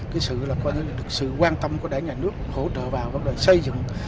cái sự quan tâm của đại nhà nước hỗ trợ vào vấn đề xây dựng